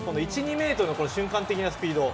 １２ｍの瞬間的なスピード